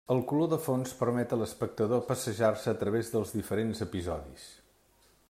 El color de fons permet a l'espectador passejar-se a través dels diferents episodis.